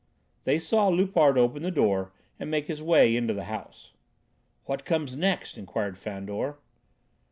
They saw Loupart open the door and make his way into the house. "What comes next?" inquired Fandor.